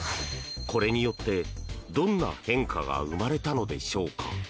これによって、どんな変化が生まれたのでしょうか。